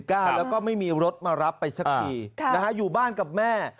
แล้วก็ไม่มีรถมารับไปสักทีอยู่บ้านกับแม่